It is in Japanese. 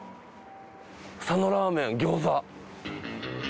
佐野ラーメン餃子。